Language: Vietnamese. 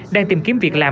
đang tìm kiếm việc làm